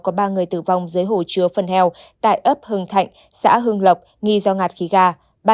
có ba người tử vong dưới hồ chứa phần heo tại ấp hưng thạnh xã hương lộc nghi do ngạt khí ga